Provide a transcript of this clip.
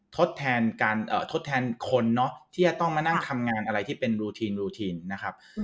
ทดแทนคนเนอะที่จะต้องมานั่งทำงานอะไรที่เป็นรูทีนนะครับ